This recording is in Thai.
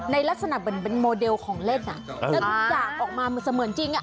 ในลักษณะเหมือนเป็นโมเดลของเล่นจากออกมาเสมือนจริง